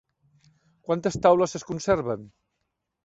Quantes taules es conserven?